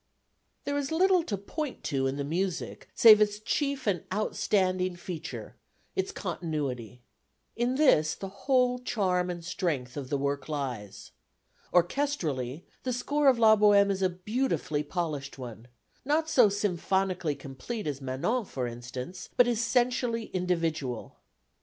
There is little to point to in the music save its chief and outstanding feature, its continuity. In this the whole charm and strength of the work lies. Orchestrally, the score of La Bohème is a beautifully polished one, not so symphonically complete as Manon for instance, but essentially individual.